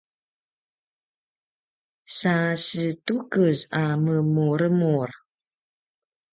sa setukez a menuremur